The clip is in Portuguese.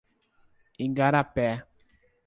Igarapé